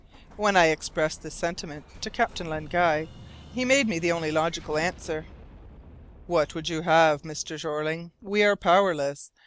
When I expressed this sentiment to Captain Len Guy, he made me the only logical answer: "What would you have, Mr. Jeorling? We are powerless.